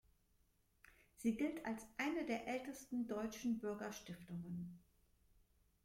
Sie gilt als eine der ältesten deutschen Bürgerstiftungen.